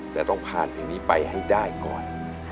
แต่ต้องผ่านเพลงนี้ไปให้ได้ก่อน